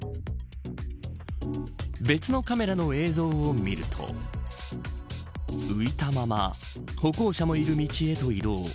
別のカメラの映像を見ると浮いたまま歩行者もいる道へと移動。